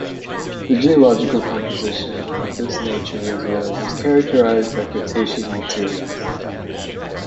The geological composition of this Nature Reserve is characterized by Cretaceous materials.